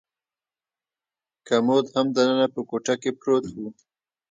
کمود هم دننه په کوټه کې پروت و.